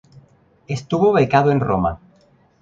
Estuvo becado en Roma.